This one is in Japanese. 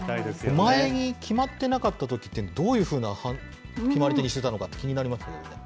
前に、決まってなかったときっていうのは、どういうふうな決まり手にしてたのかって気になりますね。